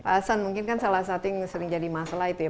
pak hasan mungkin kan salah satu yang sering jadi masalah itu ya